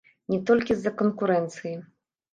Не толькі з-за канкурэнцыі.